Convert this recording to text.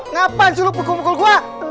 ngapain sih lu pukul pukul gua